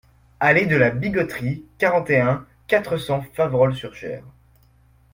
Allée de la Bigotterie, quarante et un, quatre cents Faverolles-sur-Cher